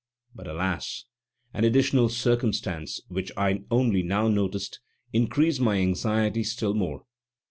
But alas! an additional circumstance, which I only now noticed, increased my anxiety still more.